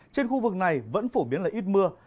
trên khu vực này vẫn phổ biến là ít mưa